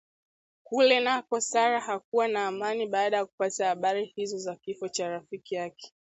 Kule nako Sarah hakuwa na amani baada ya kupata habari hizo za Kifo cha rafikiye